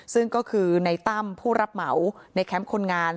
ซึ่งก็คือในตั้มผู้รับเหมาในแคมป์คนงาน